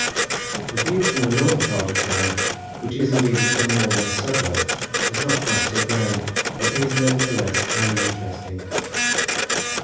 The view from the northern part of the town, which is indeed little more than a suburb, is not quite so grand, but is nevertheless highly interesting.